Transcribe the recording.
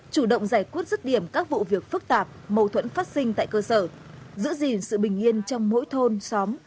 chủ động giải quyết rứt điểm các vụ việc phức tạp mâu thuẫn phát sinh tại cơ sở giữ gìn sự bình yên trong mỗi thôn xóm